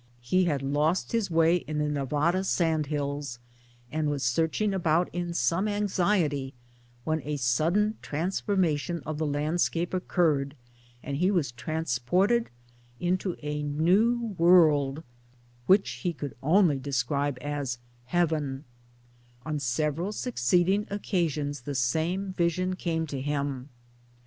He had lost his way on the Nevada sandhills, and was searching about in some anxiety, when a sudden transformation of the landscape occurred, and he was transported into a new world, which he could only describe as ' heaven/ On several succeeding occasions the same vision came to him.